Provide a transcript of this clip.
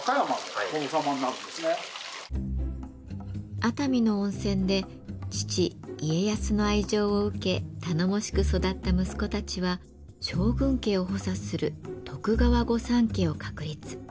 熱海の温泉で父家康の愛情を受け頼もしく育った息子たちは将軍家を補佐する徳川御三家を確立。